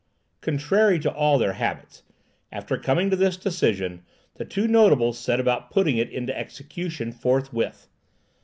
Contrary to all their habits, after coming to this decision the two notables set about putting it into execution forthwith.